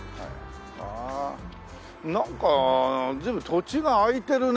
なんか随分土地が空いてるね。